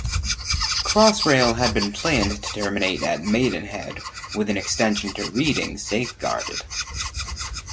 Crossrail had been planned to terminate at Maidenhead, with an extension to Reading safeguarded.